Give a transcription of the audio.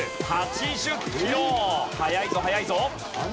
速いぞ速いぞ！